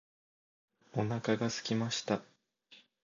お腹がすきました